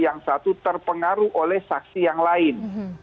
yang satu terpengaruh oleh saksi yang lain